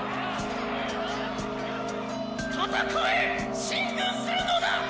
「戦え！進軍するのだ！